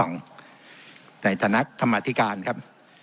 ในธนักธรรมธิการครับ